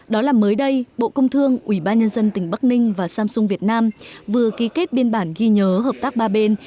đó là mới đây bộ công thương ủy ban nhân dân tỉnh bắc ninh và samsung việt nam vừa ký kết biên bản ghi nhớ hợp tác ba bên